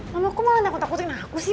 mama kok malah takut takutin aku sih